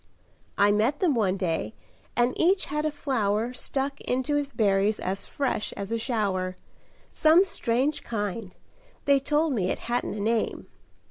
I met them one day and each had a flower Stuck into his berries as fresh as a shower; Some strange kind they told me it hadn't a name."